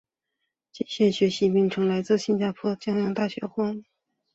极限学习机的名称来自新加坡南洋理工大学黄广斌教授所建立的模型。